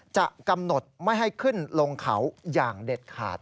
จะกำหนดไม่ให้ขึ้นลงเขาอย่างเด็ดขาด